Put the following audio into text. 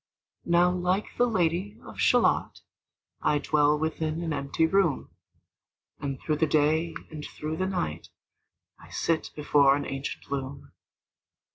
Now like the Lady of Shalott, I dwell within an empty room, And through the day and through the night I sit before an ancient loom.